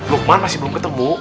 lukman masih belum ketemu